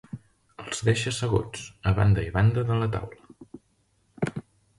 Els deixa asseguts, a banda i banda de la taula.